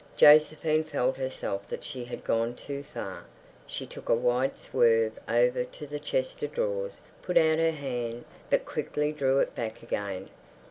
Josephine felt herself that she had gone too far. She took a wide swerve over to the chest of drawers, put out her hand, but quickly drew it back again.